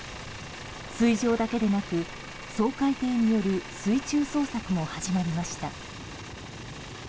水上だけでなく、掃海艇による水中捜索も始まりました。